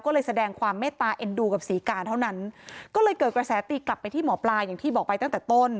ก็เลยแสดงความเมตตาเอ็นดูกับศรีกาเท่านั้นก็เลยเกิดกระแสตีกลับไปที่หมอปลาอย่างที่บอกไปตั้งแต่ต้น